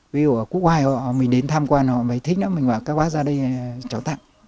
ví dụ ở quốc hoa mình đến tham quan họ mới thích đó mình bảo các bác ra đây cho tặng